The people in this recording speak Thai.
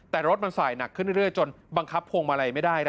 แต่รถมันสายหนักขึ้นเรื่อยจนบังคับพวงมาลัยไม่ได้